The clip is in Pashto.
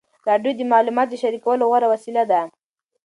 راډیو د معلوماتو د شریکولو غوره وسیله ده.